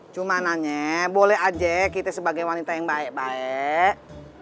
cuma nanya boleh aja kita sebagai wanita yang baik baik